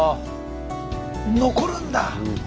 残るんだ！